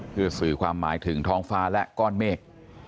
เพื่อสื่อความหมายถึงท้องฟ้าและก้อนเมฆ